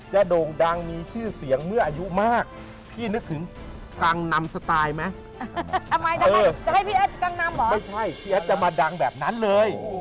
ให้พี่แอ๊ดกังนำเหรอไม่ใช่พี่แอ๊ดจะมาดังแบบนั้นเลย